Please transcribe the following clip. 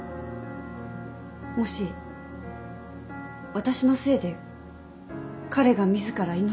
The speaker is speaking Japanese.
もし私のせいで彼が自ら命を絶ったとしたら。